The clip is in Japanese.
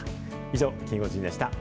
以上、キンゴジンでした。